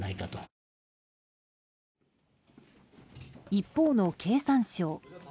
一方の経産省。